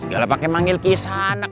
segalapakian manggil kisah anak